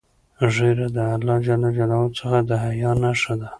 ږیره د الله جل جلاله څخه د حیا نښه ده.